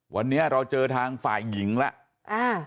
วันนี้เราเจอทางฝ่ายหญิงแล้ว